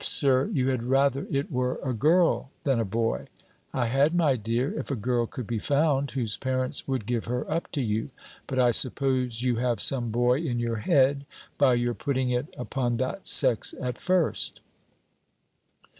Sir, you had rather it were a girl than a boy?" "I had, my dear, if a girl could be found, whose parents would give her up to you; but I suppose you have some boy in your head, by your putting it upon that sex at first."